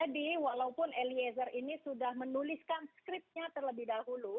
jadi walaupun eliezer ini sudah menuliskan skripnya terlebih dahulu